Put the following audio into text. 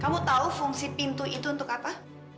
kamu tahu fungsi pintu itu untuk apa